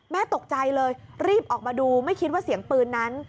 ตกใจเลยรีบออกมาดูไม่คิดว่าเสียงปืนนั้น